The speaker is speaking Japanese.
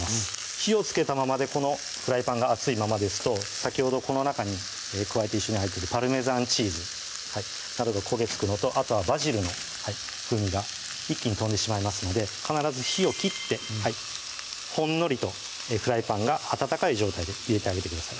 火をつけたままでこのフライパンが熱いままですと先ほどこの中に加えて一緒に入ってるパルメザンチーズなどが焦げつくのとあとはバジルの風味が一気に飛んでしまいますので必ず火を切ってほんのりとフライパンが温かい状態で入れてあげてください